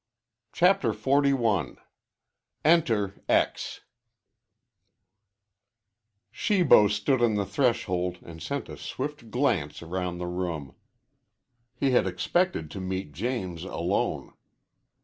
CHAPTER XLI ENTER X Shibo stood on the threshold and sent a swift glance around the room. He had expected to meet James alone.